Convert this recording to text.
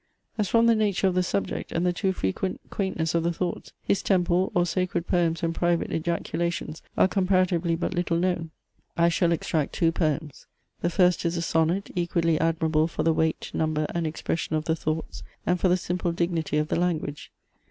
As from the nature of the subject, and the too frequent quaintness of the thoughts, his TEMPLE; or SACRED POEMS AND PRIVATE EJACULATIONS are Comparatively but little known, I shall extract two poems. The first is a sonnet, equally admirable for the weight, number, and expression of the thoughts, and for the simple dignity of the language.